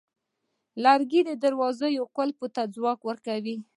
لرګی د دروازې قلف ته ځواک ورکوي.